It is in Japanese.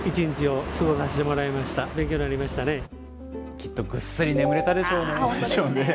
きっとぐっすり眠れたでしょうね。